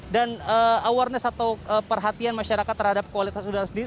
dan awarnes atau perhatian masyarakat terhadap kualitas udara sendiri